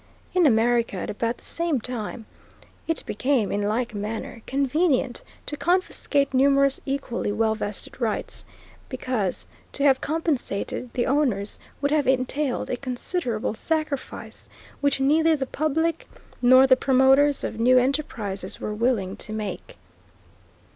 In America, at about the same time, it became, in like manner, convenient to confiscate numerous equally well vested rights, because, to have compensated the owners would have entailed a considerable sacrifice which neither the public nor the promoters of new enterprises were willing to make.